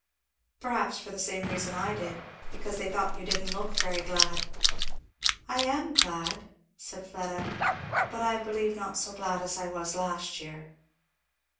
"Perhaps for the same reason I did because they thought you didn't look very glad." "I am glad " said Fleda, "but I believe not so glad as I was last year."